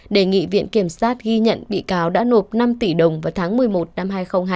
đề nghị viện kiểm sát ghi nhận bị cáo đã nộp năm tỷ đồng vào tháng một mươi một năm hai nghìn hai mươi